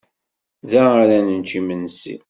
Da ara nečč imensi.